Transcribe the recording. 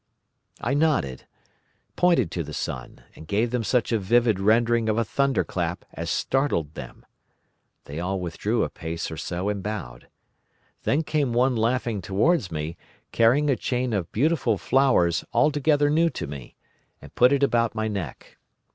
"I nodded, pointed to the sun, and gave them such a vivid rendering of a thunderclap as startled them. They all withdrew a pace or so and bowed. Then came one laughing towards me, carrying a chain of beautiful flowers altogether new to me, and put it about my neck.